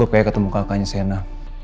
gue kayak ketemu kakaknya sena